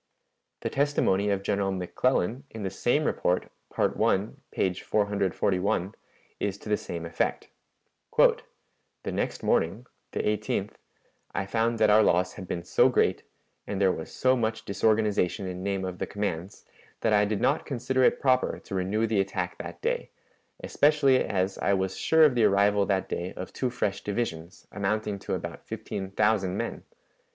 The testimony of General McClellan, in the same report, Part I, p. 441, is to the same effect: "The next morning (the 18th) I found that our loss had been so great, and there was so much disorganization in name of the commands, that I did not consider it proper to renew the attack that day, especially as I was sure of the arrival that day of two fresh divisions, amounting to about fifteen thousand men.